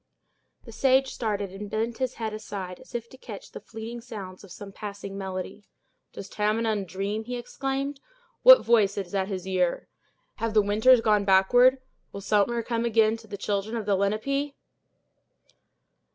The sage started, and bent his head aside, as if to catch the fleeting sounds of some passing melody. "Does Tamenund dream!" he exclaimed. "What voice is at his ear! Have the winters gone backward! Will summer come again to the children of the Lenape!"